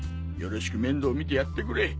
よろしく面倒見てやってくれ。